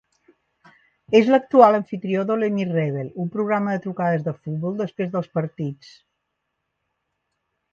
És l'actual amfitrió d'Ole Miss Rebel, un programa de trucades de futbol després dels partits.